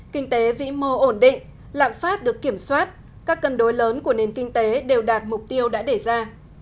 kinh tế vĩ mô ổn định lạm phát được kiểm soát các cân đối lớn của nền kinh tế đều đạt mục tiêu đã để ra